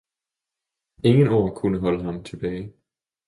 ingen ord kunne holde ham tilbage.